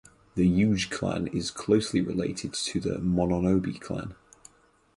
The Yuge clan is closely related to the Mononobe clan.